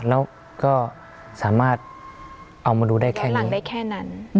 แล้วก็สามารถเอามาดูได้แค่นี้